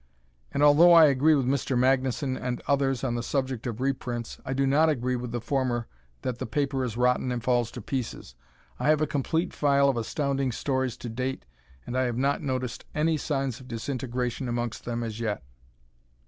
And although I agree with Mr. Magnuson and others on the subject of reprints, I do not agree with the former that the paper is rotten and falls to pieces. I have a complete file of Astounding Stories to date and I have not noticed any signs of disintegration amongst them as yet.